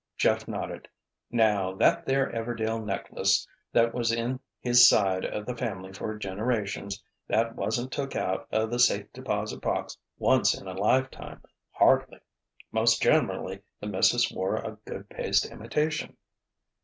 Jeff nodded. "Now, that there Everdail necklace that was in his side of the family for generations—that wasn't took out of the safe deposit box once in a lifetime, hardly. Most generally the missus wore a good paste imitation."